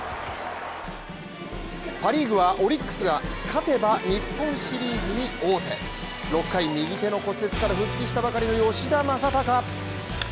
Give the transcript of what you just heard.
パ・リーグはオリックスが勝てば日本シリーズに王手６回右手の骨折から復帰したばかりの吉田正尚